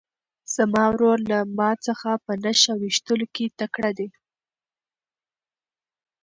زما ورور له ما څخه په نښه ویشتلو کې تکړه دی.